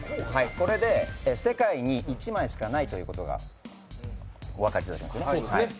これで世界に１枚しかないということがお分かりいただけますね。